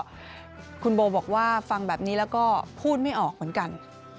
คุณโบบอกว่าฟังแบบนี้แล้วก็พูดไม่ออกเหมือนกัน